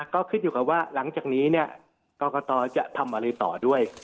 ก็ขึ้นอยู่กับว่าหลังจากนี้เนี่ยกรกตจะทำอะไรต่อด้วย